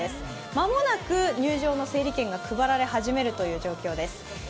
間もなく入場の整理券が配られ始めるという状況です。